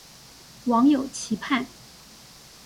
網友期盼